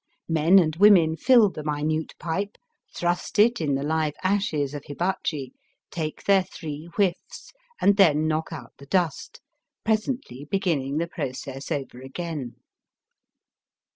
Men and women fill the minute pipe, thrust it in the live ashes of hibachi, take their three whiffs, and then knock out the dust, presently beginning the process over again.